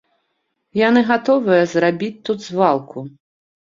Яны гатовыя зрабіць тут звалку.